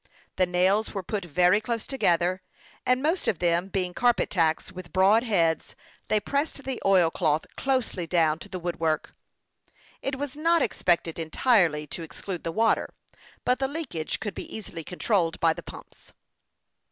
The nails were put very close together, and most of them being carpet tacks, with broad heads, they pressed the oil cloth closely down to the woodwork. It was not expected entirely to exclude the water ; but the leakage could be easily controlled by the pumps.